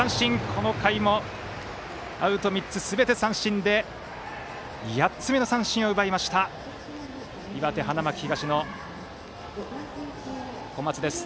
この回もアウト３つすべて三振で８つ目の三振を奪いました岩手・花巻東の小松です。